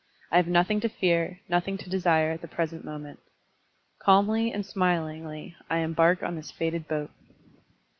I have nothing to fear, nothing to desire at the present moment. Calmly and smilingly I embark on this fated boat."